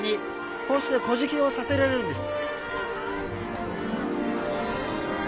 こうしてこじきをさせられるんです